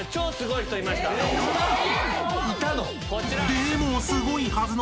［でもすごいはずの］